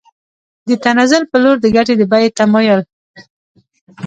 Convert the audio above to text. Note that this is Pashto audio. د تنزل په لور د ګټې د بیې تمایل